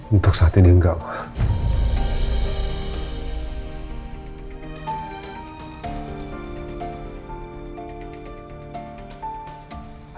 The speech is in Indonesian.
untuk saat ini enggak wah